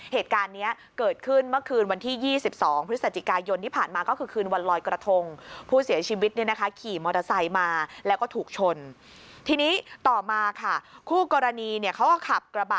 เหตุการณ์นี้เกิดขึ้นเมื่อคืนวันที่๒๒พฤศจิกายนที่ผ่านมา